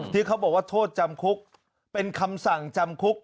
ที่เขาบอกว่าโทษจำคุกเป็นคำสั่งจำคุก